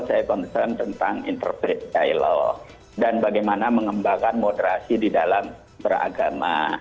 saya concern tentang interpret jahil law dan bagaimana mengembangkan moderasi di dalam beragama